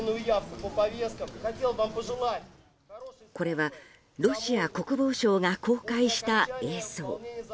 これは、ロシア国防省が公開した映像。